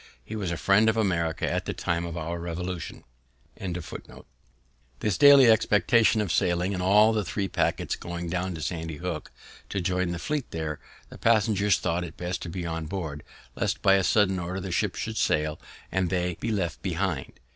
He was a friend of America at the time of our Revolution. This daily expectation of sailing, and all the three packets going down to Sandy Hook, to join the fleet there, the passengers thought it best to be on board, lest by a sudden order the ships should sail, and they be left behind.